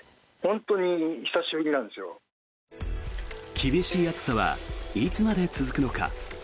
厳しい暑さはいつまで続くのか。